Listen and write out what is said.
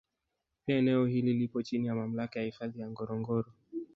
Pia eneo hili lipo chini ya Mamlaka ya Hifadhi ya Ngorongoro